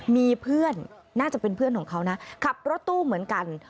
มีเพื่อนน่าจะเป็นเพื่อนของเขานะขับรถตู้เหมือนกัน